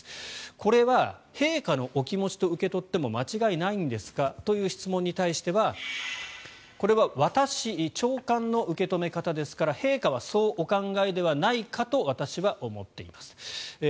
これは陛下のお気持ちと受け取っても間違いないんですかという質問に対してはこれは私、長官の受け止め方ですから陛下は、そうお考えではないかと私は思っています。